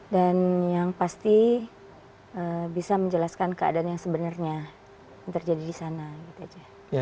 dan yang pasti bisa menjelaskan keadaan yang sebenarnya yang terjadi di sana